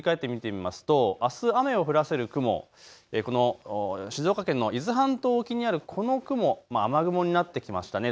雲の様子を振り返って見てみますとあす雨を降らせる雲、この静岡県の伊豆半島沖にあるこの雲、雨雲になってきました。